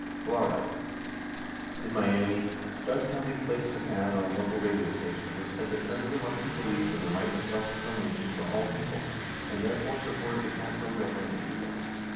Florida: In Miami, Doug Kelly placed an ad on a local radio station which said that Senator Muskie believed in the right of self determi nation for all people, and therefore, supported the Castro govern ment in Cuba.